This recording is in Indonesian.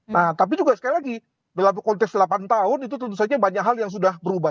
nah tapi juga sekali lagi dalam konteks delapan tahun itu tentu saja banyak hal yang sudah berubah